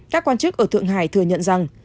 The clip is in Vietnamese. các quan chức ở thượng hải thừa nhận rằng